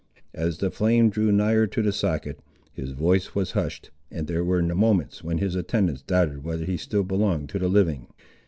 As the flame drew nigher to the socket, his voice was hushed, and there were moments, when his attendants doubted whether he still belonged to the living.